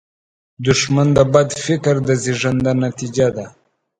دښمن د بد فکر د زیږنده نتیجه ده